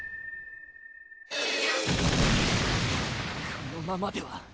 このままでは